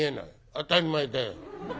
当たり前だよ。